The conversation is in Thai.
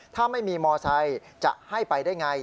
ถ้าไม่มีมอไซค์จะให้ไปได้ไง